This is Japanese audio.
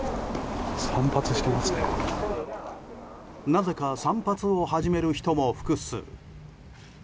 なぜか散髪を始める人も複数。